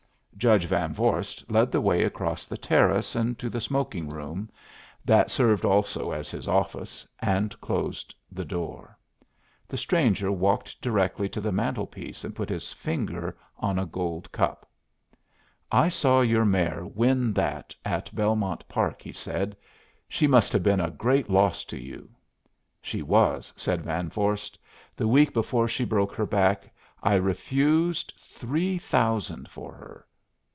Judge Van Vorst led the way across the terrace, and to the smoking room, that served also as his office, and closed the door. The stranger walked directly to the mantelpiece and put his finger on a gold cup. "I saw your mare win that at Belmont Park," he said. "She must have been a great loss to you?" "She was," said Van Vorst. "The week before she broke her back, I refused three thousand for her.